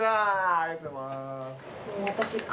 ありがとうございます。